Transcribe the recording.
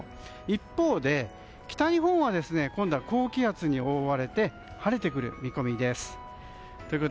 一方で北日本は今度は高気圧に覆われて晴れてくる見込みです。